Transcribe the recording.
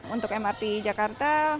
untuk mrt jakarta